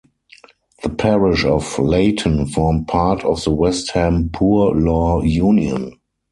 The parish of Leyton formed part of the West Ham Poor law union.